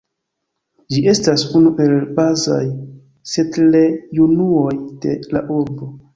Ĝi estas unu el bazaj setlejunuoj de la urbo.